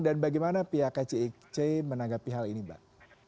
dan bagaimana pihak kcic menanggapi hal ini mbak